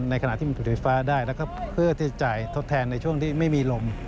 ขณะที่มันผลิตไฟฟ้าได้แล้วก็เพื่อที่จะจ่ายทดแทนในช่วงที่ไม่มีลม